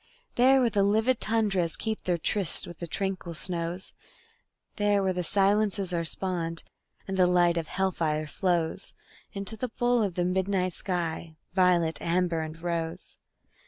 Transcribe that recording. There where the livid tundras keep their tryst with the tranquil snows; There where the silences are spawned, and the light of hell fire flows Into the bowl of the midnight sky, violet, amber and rose.